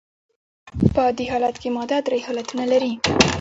په عادي حالت کي ماده درې حالتونه لري.